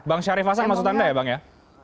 bang syarif hasan maksud anda ya bang ya